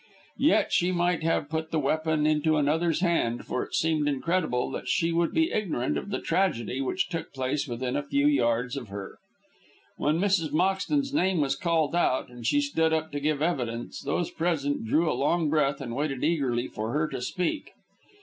Yet she might have put the weapon into another's hand, for it seemed incredible that she should be ignorant of the tragedy which took place within a few yards of her. When Mrs. Moxton's name was called out, and she stood up to give evidence, those present drew a long breath and waited eagerly for her to speak.